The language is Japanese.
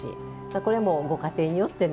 これもご家庭によってね